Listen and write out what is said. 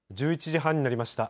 １１時半になりました。